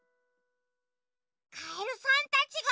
カエルさんたちが。